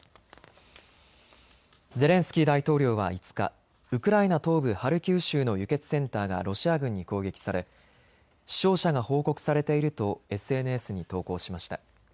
ゼレンスキー大統領は５日、ウクライナ東部ハルキウ州の輸血センターがロシア軍に攻撃され死傷者が報告されているとＳＮＳに投稿しました。